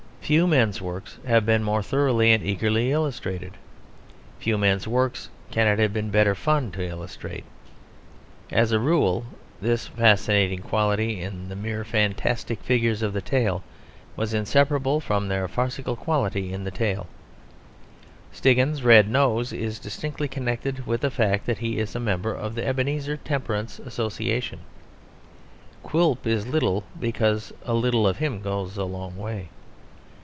Few men's works have been more thoroughly and eagerly illustrated; few men's works can it have been better fun to illustrate. As a rule this fascinating quality in the mere fantastic figures of the tale was inseparable from their farcical quality in the tale. Stiggins's red nose is distinctly connected with the fact that he is a member of the Ebenezer Temperance Association; Quilp is little, because a little of him goes a long way.